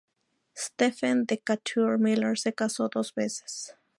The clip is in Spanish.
Stephen Decatur Miller se casó dos veces.